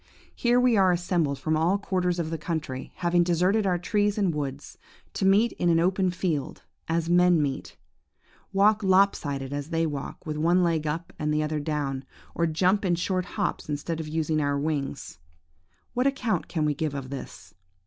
Here we are assembled from all quarters of the country, having deserted our trees and woods, to meet in an open field, as men meet; walk lop sided as they walk, with one leg up and the other down; or jump in short hops instead of using our wings. What account can we give of this?